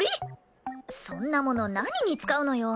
そんなもの何に使うのよ？